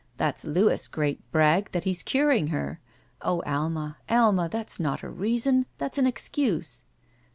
That's Louis' great brag, that he's curing her. Oh, Alma, Alma, that's not a reason; . that's an excuse!"